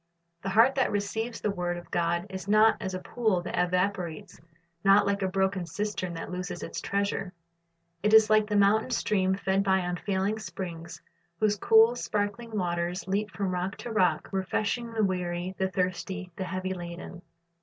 The heart that receives the word of God is not as a pool that evaporates, not like a broken cistern that loses its treasure. It is like the mountain stream fed by unfailing springs, whose cool, sparkling waters leap from rock to rock, refreshing the weary, the thirsty, the heavy laden.